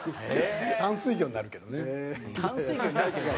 淡水魚になるけどね。